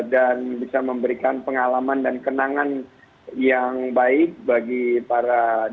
dan bisa memberikan pengalaman dan kenangan yang baik bagi para delakwa